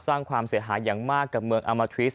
สร้างความเสียหายอย่างมากกับเมืองอามาทริส